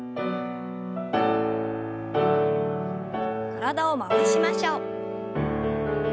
体を回しましょう。